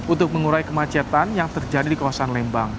untuk mengurai kemacetan yang terjadi di kawasan lembang